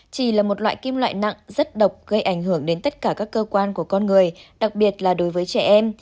chỉ là một loại kim loại nặng rất độc gây ảnh hưởng đến tất cả các cơ quan của con người đặc biệt là đối với trẻ em